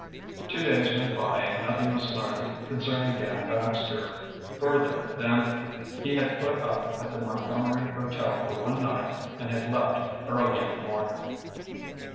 Two days went by and nothing was learned concerning Dan Baxter further than that he had put up at the Montgomery Hotel for one night and had left early in the morning.